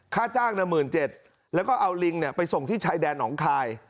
ค่าจ้าง๑๗๐๐แล้วก็เอาลิงไปส่งที่ชายแดนหนองคาย